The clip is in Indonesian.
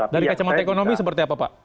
dari kacamata ekonomi seperti apa pak